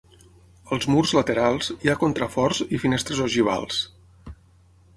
Als murs laterals hi ha contraforts i finestres ogivals.